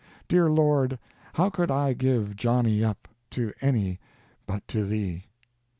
Dear Lord, how could I give Johnnie up To any but to Thee?